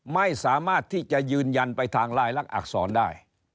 ไม่สามารถที่จะยืนยันไปทางลายลักษณอักษรได้